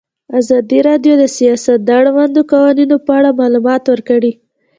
ازادي راډیو د سیاست د اړونده قوانینو په اړه معلومات ورکړي.